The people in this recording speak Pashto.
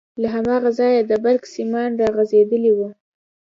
له هماغه ځايه د برق سيمان راغځېدلي وو.